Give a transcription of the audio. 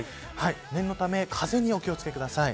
念のため風にお気を付けください。